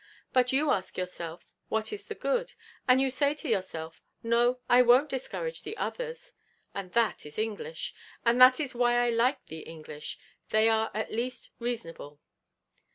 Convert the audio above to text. But you ask yourself, What is the good? And you say to yourself, No, I won't discourage the others. And that is English. And that is why I like the English; they are at least reasonable.'